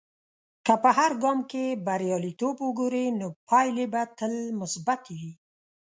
که په هر ګام کې بریالیتوب وګورې، نو پایلې به تل مثبتي وي.